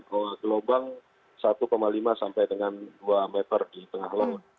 kalau di lobang satu lima sampai dengan dua meter di tengah tengah